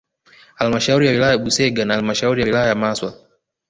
Halmashauri ya wilaya ya Busega na halmashauri ya wilaya ya Maswa